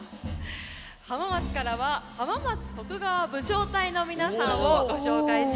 浜松からは浜松徳川武将隊の皆さんをご紹介します。